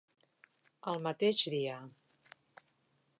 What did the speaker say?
El mateix dia.